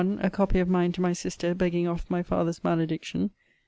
A copy of mine to my sister, begging off my father's malediction